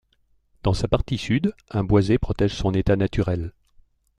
Dans sa partie sud, un boisé protège son état naturel.